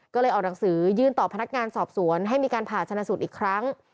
ก็เลยออกหนังสือยื่นต่อพนักงานสอบสวนให้มีการผ่าชนะสูตรอีกครั้ง